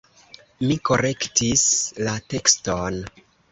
Mi korektis la tekston.